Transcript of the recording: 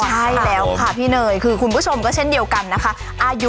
ใช่แล้วค่ะพี่เนยคือคุณผู้ชมก็เช่นเดียวกันนะคะ